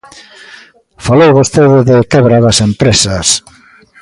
Falou vostede de quebra das empresas.